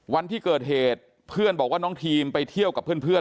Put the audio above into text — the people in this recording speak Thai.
วันที่เกิดเหตุเพื่อนบอกว่าน้องทีมไปเที่ยวกับเพื่อน